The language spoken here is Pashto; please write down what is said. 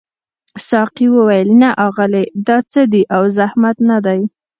ساقي وویل نه اغلې دا څه دي او زحمت نه دی.